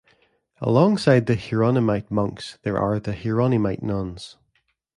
Alongside the Hieronymite monks, there are the Hieronymite nuns.